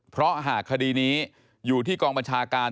เพราะหากคดีนี้อยู่ที่กองบัญชาการ